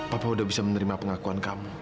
papa udah bisa menerima pengakuan kamu